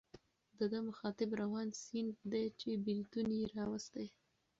د ده مخاطب روان سیند دی چې بېلتون یې راوستی.